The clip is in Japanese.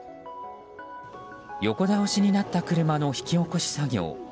横倒しになった車の引き起こし作業。